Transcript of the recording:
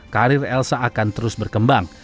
karir elsa akan terus berkembang